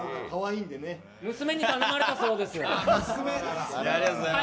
娘に頼まれたそうです。